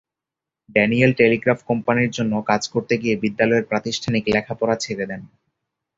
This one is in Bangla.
ড্যানিয়েল টেলিগ্রাফ কোম্পানির জন্য কাজ করতে গিয়ে বিদ্যালয়ের প্রাতিষ্ঠানিক লেখাপড়া ছেড়ে দেন।